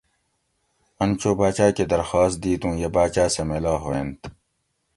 ان چو باچاۤ کہ درخاس دِیت اوں یہ باچاۤ سہ میلا ہوئینت